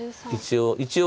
一応。